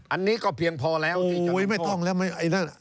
อันนี้ก็เพียงพอแล้วที่จะต้องพบโอ๊ยไม่ต้องแล้วไอ้นั่น